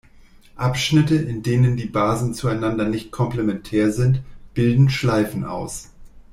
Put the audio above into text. Abschnitte, in denen die Basen zueinander nicht komplementär sind, bilden Schleifen aus.